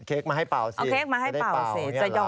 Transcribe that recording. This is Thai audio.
เค้กมาให้เป่าสิจะได้เป่าอย่างนี้หรอเอาเค้กมาให้เป่า